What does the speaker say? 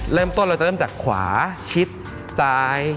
เราจะเริ่มจากขวาชิดซ้าย